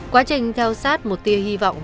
quá trình theo sát một tia hy vọng